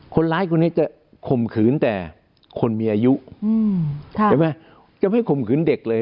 คนร้ายคนนี้จะข่มขืนแต่คนมีอายุใช่ไหมจะไม่ข่มขืนเด็กเลย